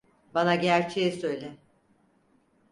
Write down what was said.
Bana gerçeği söyle!